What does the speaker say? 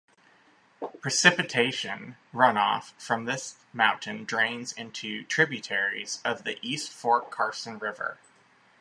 Precipitation runoff from this mountain drains into tributaries of the East Fork Carson River.